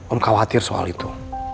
om khawatir soal itu